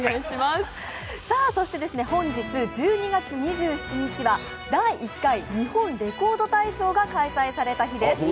本日１２月２７日は第１回「日本レコード大賞」が開催された日です。